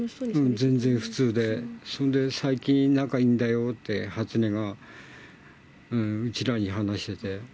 全然普通で、それで最近、仲いいんだよって、初音が、うちらに話してて。